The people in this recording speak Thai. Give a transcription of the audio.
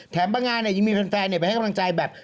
บางงานยังมีแฟนไปให้กำลังใจแบบ